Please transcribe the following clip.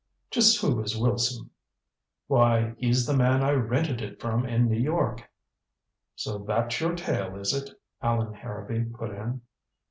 "Just who is Wilson?" "Why he's the man I rented it from in New York." "So that's your tale, is it?" Allan Harrowby put in.